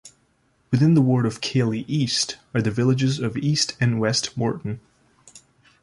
Within the Ward of Keighley East are the villages of East and West Morton.